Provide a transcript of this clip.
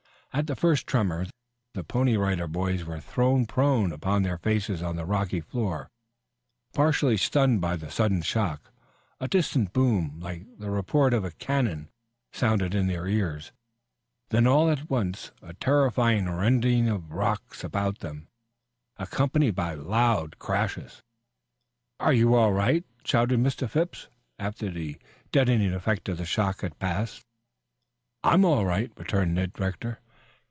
At the first tremor, the Pony Rider Boys were thrown prone upon their faces on the rocky floor, partially stunned by the sudden shock. A distant boom, like the report of a cannon sounded in their ears, then all at once a terrifying rending of the rocks about them, accompanied by loud crashes. "Are you all right?" shouted Mr. Phipps after the deadening effect of the shock had passed. "I'm all right," returned Ned Rector.